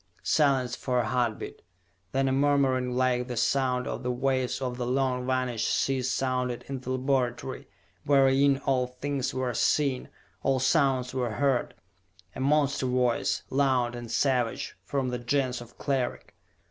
Silence for a heartbeat. Then a murmuring like the sound of the waves of the long vanished seas sounded in the laboratory, wherein all things were seen, all sounds were heard. A monster voice, loud and savage, from the Gens of Cleric.